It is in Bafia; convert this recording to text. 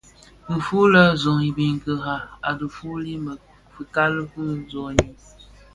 Dhifuli zoň i biňkira a dhituli, fikali fi soňi,